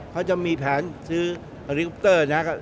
เขาจะมีแผนซื้อขนาดลิคลิปเตอร์น่ะ